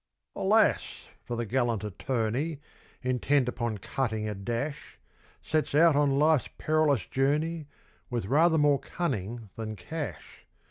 Alas! for the gallant attorney, Intent upon cutting a dash, Sets out on life's perilous journey With rather more cunning than cash.